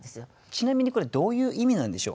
ちなみにこれどういう意味なんでしょう？